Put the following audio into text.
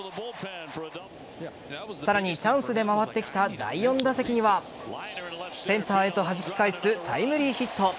さらにチャンスで回ってきた第４打席にはセンターへとはじき返すタイムリーヒット。